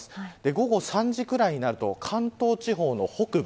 午後３時くらいになると関東地方の北部